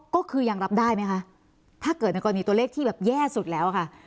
ก็คือยังรับได้ไหมคะถ้าเกิดในกรณีตัวเลขที่แบบแย่สุดแล้วอะค่ะ